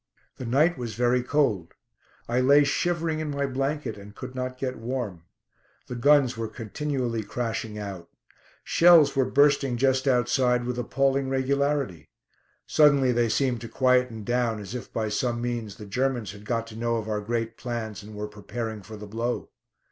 The night was very cold. I lay shivering in my blanket and could not get warm. The guns were continually crashing out. Shells were bursting just outside with appalling regularity. Suddenly they seemed to quieten down, as if by some means the Germans had got to know of our great plans and were preparing for the blow.